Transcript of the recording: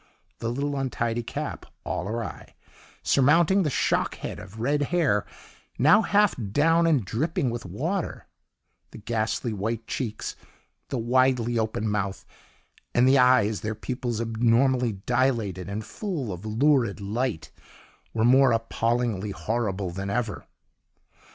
The little, untidy cap, all awry, surmounting the shock head of red hair now half down and dripping with water, the ghastly white cheeks, the widely open mouth, and the eyes, their pupils abnormally dilated and full of lurid light, were more appallingly horrible than ever.